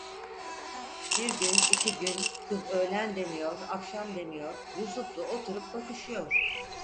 Bir gün, iki gün, kız öğlen demiyor, akşam demiyor, Yusuf'la oturup bakışıyor.